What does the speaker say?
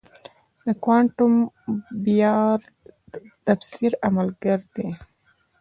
د کوانټم بیارد تفسیر عملگر دی.